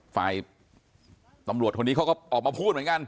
ฝ่ายตำรวจคนนี้เขาก็ออกมาพูดเหมือนกัน